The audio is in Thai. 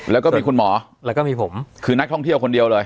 แล้วก็มีคุณหมอแล้วก็มีผมคือนักท่องเที่ยวคนเดียวเลย